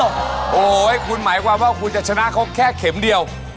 โอ้โหคุณหมายความว่าคุณจะชนะเขาแค่เข็มเดียว